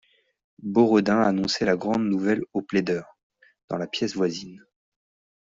Boredain annonçait la grande nouvelle aux plaideurs, dans la pièce voisine.